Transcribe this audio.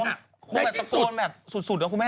คงแบบตะโกนแบบสุดนะคุณแม่